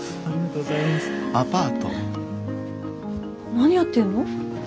何やってんの？